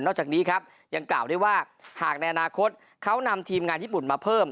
จากนี้ครับยังกล่าวด้วยว่าหากในอนาคตเขานำทีมงานญี่ปุ่นมาเพิ่ม